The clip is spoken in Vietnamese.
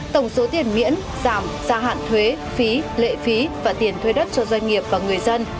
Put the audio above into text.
tổng số tiền miễn giảm gia hạn thuế phí lệ phí và tiền thuê đất cho doanh nghiệp và người dân